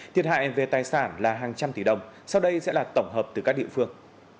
thiệt hại về tài sản là hàng trăm tỷ đồng sau đây sẽ là tổng hợp từ các địa phương